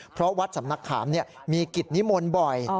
เพราะวัดสำนักขามมีกิจนิมนต์บ่อย